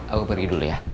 aku pergi dulu ya